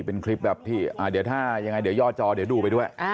เป็นคลิปแบบที่เดี๋ยวยอดจอเดี๋ยวดูไปด้วย